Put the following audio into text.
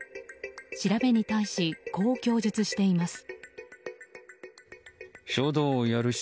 調べに対し、こう供述しています。